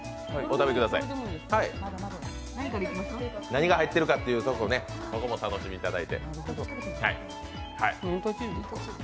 何が入っているかというところもお楽しみいただいて。